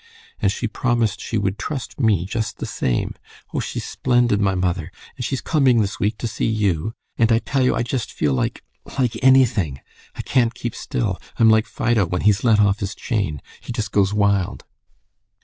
And she promised she would trust me just the same. Oh, she's splendid, my mother! And she's coming this week to see you. And I tell you I just feel like like anything! I can't keep still. I'm like Fido when he's let off his chain. He just goes wild."